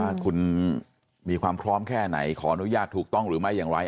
ว่าคุณมีความพร้อมแค่ไหนขออนุญาตถูกต้องหรือไม่อย่างไร